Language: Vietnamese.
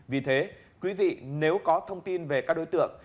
vì thế quý vị nếu có thông tin về các đối tượng